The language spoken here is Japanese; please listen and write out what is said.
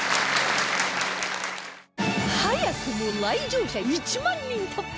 早くも来場者１万人突破！